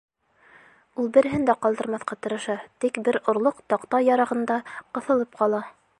Ул береһен дә ҡалдырмаҫҡа тырыша, тик бер орлоҡ таҡта ярығында ҡыҫылып ҡала.